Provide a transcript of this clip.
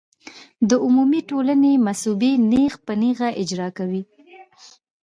د عمومي ټولنې مصوبې نېغ په نېغه اجرا کوي.